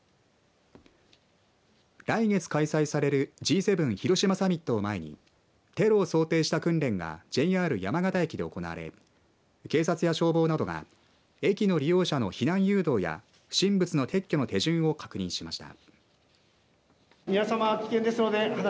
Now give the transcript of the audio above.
来月開催されるＧ７広島サミットを前にテロを想定した訓練がＪＲ山形駅で行われ警察や消防などが駅の利用者の避難誘導や不審物の撤去の手順を確認しました。